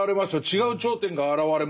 違う頂点が現れますよと。